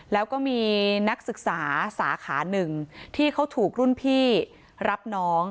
แล้วก็มีนักศึกษาสาขาหนึ่งที่เขาถูกรุ่นพี่รับน้อง